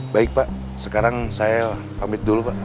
baik pak sekarang saya pamit dulu pak